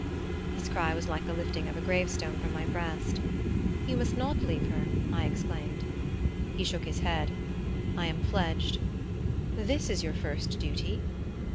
His cry was like the lifting of a grave stone from my breast. "You must not leave her!" I exclaimed. He shook his head. "I am pledged." "This is your first duty."